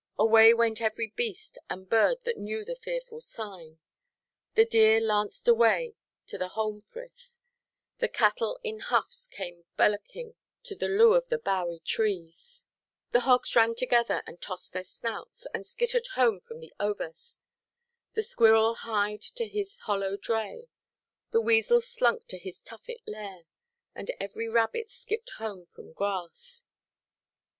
Away went every beast and bird that knew the fearful signal: the deer lanced away to the holm–frith; the cattle in huffs came belloking to the lew of the boughy trees; the hogs ran together, and tossed their snouts, and skittered home from the ovest; the squirrel hied to his hollow dray, the weasel slunk to his tuffet lair, and every rabbit skipped home from grass.